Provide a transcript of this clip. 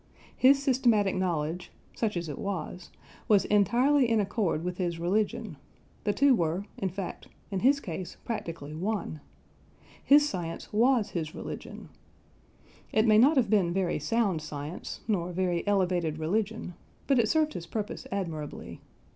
His systematic knowledge such as it was was entirely in accord with his religion, the two were, in fact, in his case practically one. His science was his religion. It may not have been very sound science, nor very elevated religion, but it served his purpose admirably.